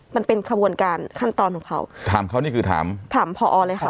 มันเป็นขบวนการขั้นตอนของเขาถามเขานี่คือถามถามพอเลยค่ะ